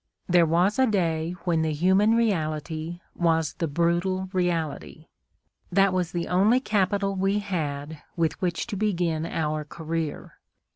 There was a day when the human reality was the brutal reality. That was the only capital we had with which to begin our career.